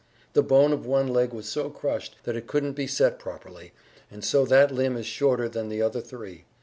The bone of one leg was so crushed that it couldn't be set properly, and so that limb is shorter than the other three.